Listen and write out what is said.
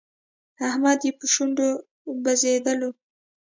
احمد په شونډو بزېدلو.